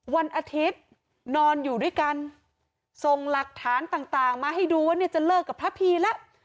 วันอาทิตย์นอนอยู่ด้วยกันส่งหลักฐานต่างมาให้ดูว่าเนี่ยจะเลิกกับพระพีแล้ว